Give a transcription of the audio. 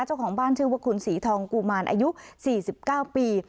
เจ้าของบ้านชื่อว่าคุณศรีทองกุมารอายุ๔๙ปี